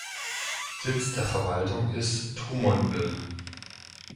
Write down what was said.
Sitz der Verwaltung ist Drummondville.